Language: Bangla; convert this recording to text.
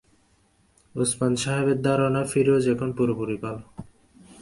ওসমান সাহেবের ধারণা, ফিরোজ এখন পুরোপুরি ভালো।